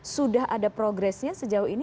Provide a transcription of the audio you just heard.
sudah ada progresnya sejauh ini